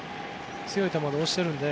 強い球で押しているので。